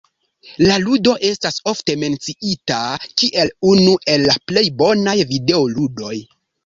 La ludo estas ofte menciita kiel unu el la plej bonaj videoludoj.